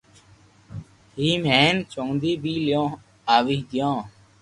ھيم ھين چوندي بي ليون آوي گيو